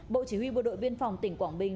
bộ chỉ huy bộ đội biên phòng tỉnh quảng bình